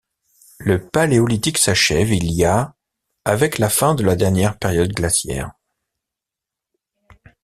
Le Paléolithique s'achève il y a avec la fin de la dernière période glaciaire.